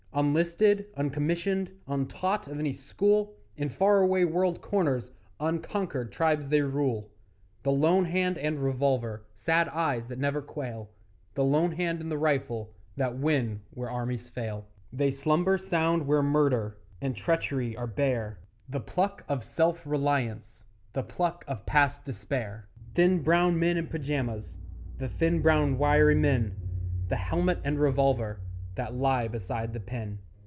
Unlisted, uncommissioned, Untaught of any school, In far away world corners Unconquered tribes they rule; The lone hand and revolver Sad eyes that never quail The lone hand and the rifle That win where armies fail. They slumber sound where murder And treachery are bare The pluck of self reliance, The pluck of past despair; Thin brown men in pyjamas The thin brown wiry men! The helmet and revolver That lie beside the pen.